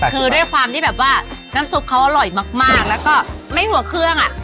คือด้วยความที่แบบว่าน้ำซุปเขาอร่อยมากแล้วก็ไม่หัวเครื่องอ่ะ